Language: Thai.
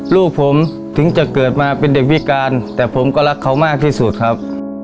ลูกผมถึงจะเกิดมาเป็นเด็กพิการแต่ผมก็รักเขามากที่สุดครับ